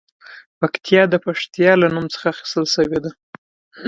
پکتیا د پښتیا له نوم څخه اخیستل شوې ده